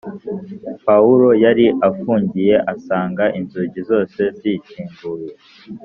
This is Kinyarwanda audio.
Pawulo yari afungiye asanga inzugi zose zikinguye